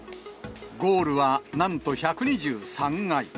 ゴールはなんと１２３階。